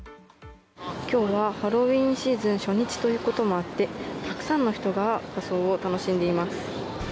今日はハロウィーンシーズン初日ということもあってたくさんの人が仮装を楽しんでいます。